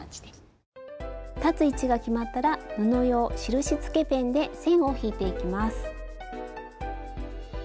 スタジオ裁つ位置が決まったら布用印つけペンで線を引いていきます。